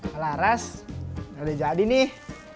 pak laras udah jadi nih